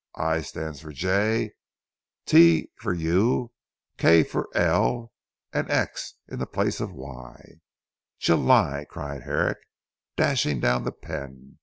I stands or J, T, for U, K for L, and X in place of Y. July," cried Herrick dashing down the pen.